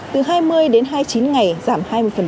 từ hai mươi đến hai mươi chín ngày giảm hai mươi